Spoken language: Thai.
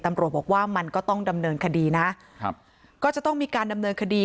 ตำรวจบอกว่ามันก็ต้องดำเนินคดีนะครับก็จะต้องมีการดำเนินคดี